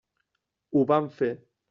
Ho vam fer.